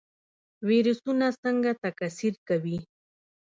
ویروسونه څنګه تکثیر کوي؟